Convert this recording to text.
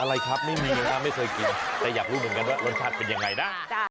อะไรครับไม่มีเลยนะไม่เคยกินแต่อยากรู้เหมือนกันว่ารสชาติเป็นยังไงนะ